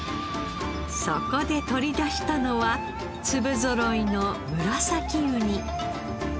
そこで取り出したのは粒ぞろいのムラサキウニ。